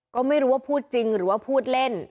ก็ไม่รู้ว่าพูดจริงหรือว่าพูดเล่น